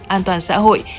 an toàn xã hội